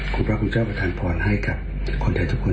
คุณพระคุณเจ้าประธานพรให้กับคนไทยทุกคน